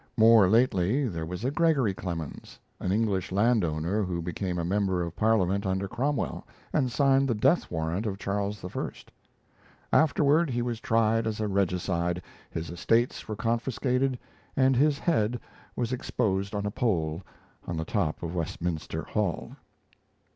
More lately there was a Gregory Clemens, an English landowner who became a member of Parliament under Cromwell and signed the death warrant of Charles I. Afterward he was tried as a regicide, his estates were confiscated, and his head was exposed on a pole on the top of Westminster Hall.